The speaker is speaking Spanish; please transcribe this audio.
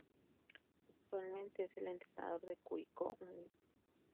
Actualmente es el entrenador de Curicó Unido.